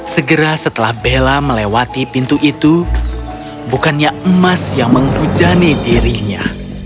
segera setelah bella melewati pintu itu bukannya emas yang menghujani dirinya